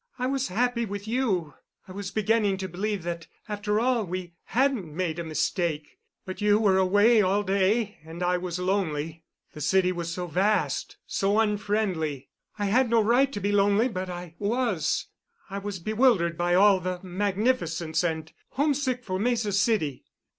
I was happy with you. I was beginning to believe that, after all, we hadn't made a mistake. But you were away all day and I was lonely. The city was so vast, so unfriendly. I had no right to be lonely but I was. I was bewildered by all the magnificence and homesick for Mesa City.